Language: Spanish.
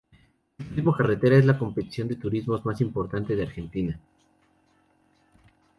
El Turismo Carretera es la competición de turismos más importante de Argentina.